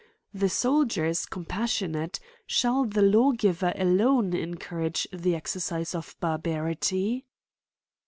The soldier is com passionate — Shall the lawgiver alone encourage the exercise of barbaritv